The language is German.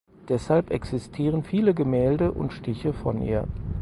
Deshalb existieren viele Gemälde und Stiche von ihr.